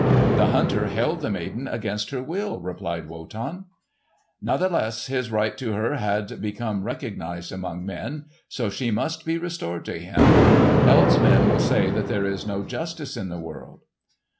"The hunter held the maid against her will," replied Wotan. "Nathless his right to her had become recognised among men. So she must be restored to him, else men will say that there is no justice in the world."